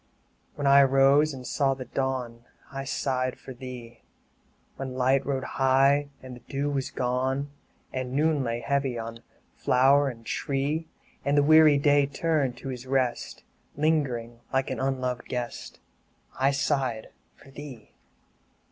3 When I rose and saw trhe dawn, I sighed for thee; When light rode high, and the dew was gone, And noon lay heavy on flower and tree, And the weary Day turned to his rest, Lingering like an unloved guest, I sighed for thee.